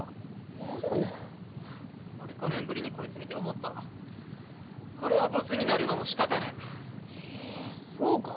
何やねん俺５年ぶりにこいつ見て思ったわこれはボツになるのもしかたないえぇそうか？